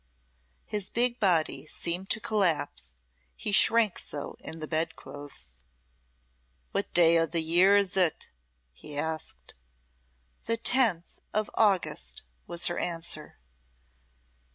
His big body seemed to collapse, he shrank so in the bed clothes. "What day o' the year is it?" he asked. "The tenth of August," was her answer.